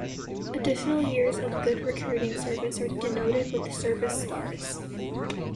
Additional years of good recruiting service are denoted with service stars.